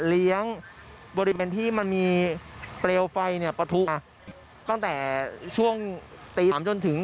เลี้ยงบริเวณที่มันมีเปลวไฟเนี่ยประทุตั้งแต่ช่วงตี๓จนถึง